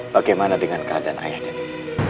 bagaimana dengan keadaan ayah dan ini